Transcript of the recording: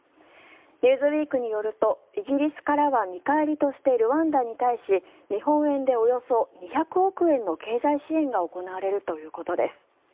「ニューズウィーク」によるとイギリスからは見返りとしてルワンダに対し日本円でおよそ２００億円の経済支援が行われるということです。